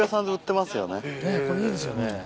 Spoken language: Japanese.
ねっこれいいですよね。